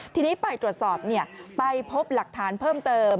ทีนี้ไปตรวจสอบไปพบหลักฐานเพิ่มเติม